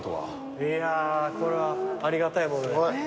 いやーこれはありがたいものだよ。